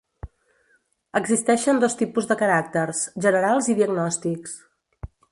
Existeixen dos tipus de caràcters: generals i diagnòstics.